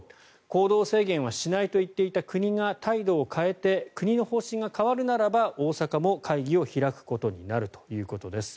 行動制限はしないと言っていた国が態度を変えて国の方針が変わるならば大阪も会議を開くことになるということです。